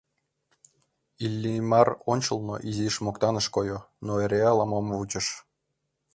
Иллимар ончылно изиш моктанышын койо, но эре ала-мом вучыш.